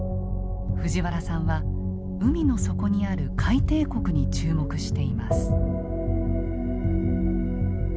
藤原さんは海の底にある海底谷に注目しています。